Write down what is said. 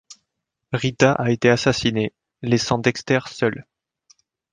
Rita a été assassinée, laissant Dexter seul.